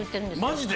マジで？